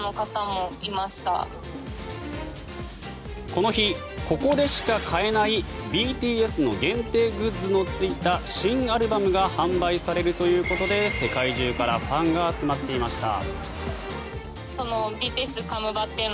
この日ここでしか買えないＢＴＳの限定グッズのついた新アルバムが販売されるということで世界中からファンが集まっていました。